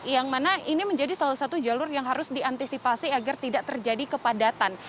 yang mana ini menjadi salah satu jalur yang harus diantisipasi agar tidak terjadi kepadatan